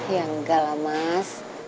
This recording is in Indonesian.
ya enggak lah mas